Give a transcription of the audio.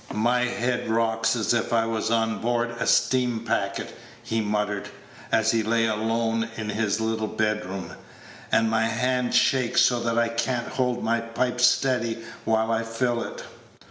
"My head rocks as if I was on board a steam packet," he muttered, as he lay alone in his little bedroom, "and my hand shakes so that I can't hold my pipe steady while I fill it.